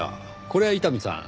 これは伊丹さん。